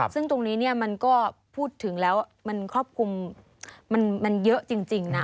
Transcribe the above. ซึ่งตรงนี้มันก็พูดถึงแล้วมันครอบคลุมมันเยอะจริงนะ